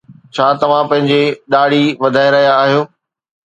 ڇا توهان پنهنجي ڏاڙهي وڌائي رهيا آهيو؟